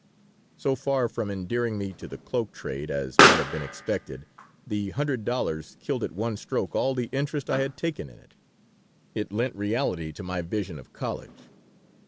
So far from endearing me to the cloak trade, as might have been expected, the hundred dollars killed at one stroke all the interest I had taken in it. It lent reality to my vision of college.